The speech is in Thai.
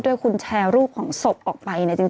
ด้วยคุณแชร์รูปของศพออกไปเนี่ยจริง